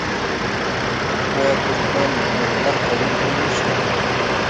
آیا ترکمن او لر قومونه هم نشته؟